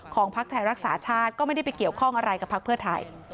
พักไทยรักษาชาติก็ไม่ได้ไปเกี่ยวข้องอะไรกับพักเพื่อไทย